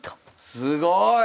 すごい！